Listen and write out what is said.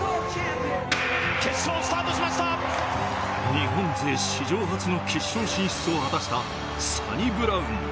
日本勢史上初の決勝進出を果たしたサニブラウン。